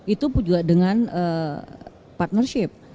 itu juga dengan partnership